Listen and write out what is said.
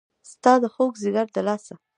ستا د خوږ ځیګر د لاسه